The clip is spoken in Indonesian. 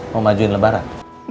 mau majuin lebaran